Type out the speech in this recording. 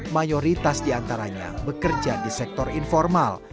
mayoritas diantaranya bekerja di sektor informal